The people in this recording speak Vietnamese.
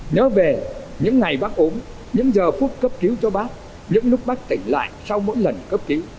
nhớ về những ngày bác ốm những giờ phút cấp cứu cho bác những lúc bắc tỉnh lại sau mỗi lần cấp cứu